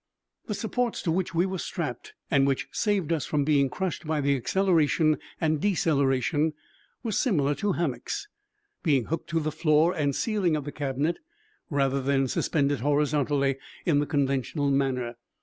The supports to which we were strapped and which saved us from being crushed by the acceleration and deceleration, were similar to hammocks, being hooked to the floor and ceiling of the cabin rather than suspended horizontally in the conventional manner.